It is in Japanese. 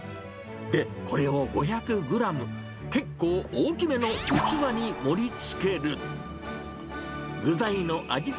で、これを５００グラム、結構大きめの器に盛りつける。